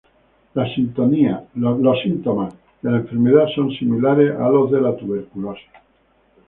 Los síntomas de la enfermedad son similares a los de la tuberculosis.